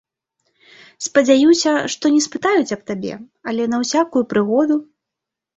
Спадзяюся, што не спытаюць аб табе, але на ўсякую прыгоду…